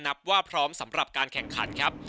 นับว่าพร้อมสำหรับการแข่งขันครับ